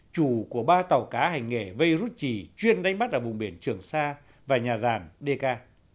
chủ của ba tàu cá hành nghề vây rút chỉ chuyên đánh bắt ở vùng biển trường sa và nhà giàn đê ca